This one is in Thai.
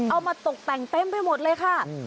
เอามาตกแต่งเต็มไปหมดเลยค่ะ